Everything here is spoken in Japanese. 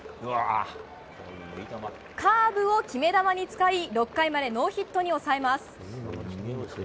カーブを決め球に使い６回までノーヒットに抑えます。